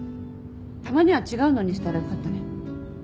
たまには違うのにしたらよかったね。